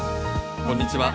こんにちは。